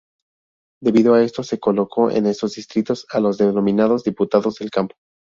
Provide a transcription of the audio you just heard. Debido a esto, se colocó en estos distritos a los denominados diputados del campo.